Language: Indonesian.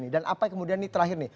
dan apa kemudian nih terakhir nih